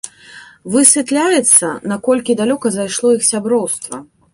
Высвятляецца, наколькі далёка зайшло іх сяброўства.